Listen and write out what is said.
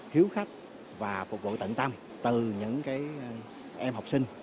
hiếu khách và phục vụ tận tâm từ những em học sinh